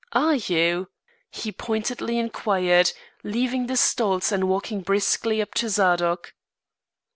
Are you?" he pointedly inquired, leaving the stalls and walking briskly up to Zadok.